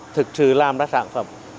thực sự làm ra sản phẩm